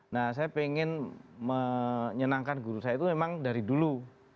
nah saya pengen menyenangkan guru saya itu memang dari dulu